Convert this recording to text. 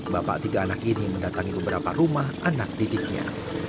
bapak tiga anak ini mendatangi beberapa rumah anak didiknya